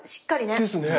ですね。